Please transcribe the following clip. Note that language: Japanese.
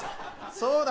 そうだ